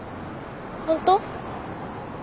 本当？